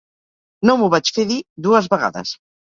No m'ho vaig fer dir dues vegades.